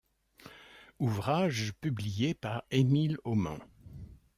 Ouvrages publié par Emile Haumant.